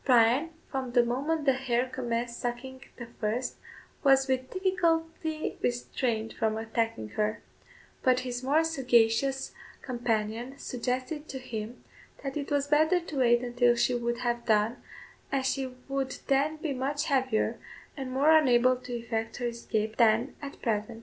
Bryan, from the moment the hare commenced sucking the first, was with difficulty restrained from attacking her; but his more sagacious companion suggested to him, that it was better to wait until she would have done, as she would then be much heavier, and more unable to effect her escape than at present.